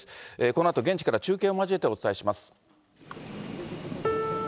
このあと現地から中継を交えてお伝えします。